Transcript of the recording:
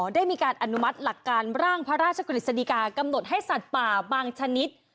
ได้มีการอนุมัติหลักการร่างพระราชกฤษฎีกากำหนดให้สัตว์ป่าบางชนิด